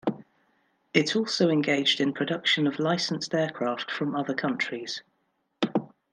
It also engaged in production of licensed aircraft from other countries.